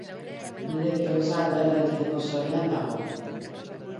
Nire bihotza leher egiteko zorian dago.